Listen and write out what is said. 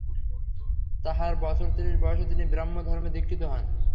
তাঁহার বছর-ত্রিশ বয়সে তিনি ব্রাহ্মধর্মে দীক্ষিত হন।